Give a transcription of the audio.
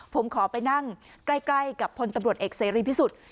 ผมขอไปนั่งใกล้กับพลตำรวจเอกเสรีพิสุทธิ์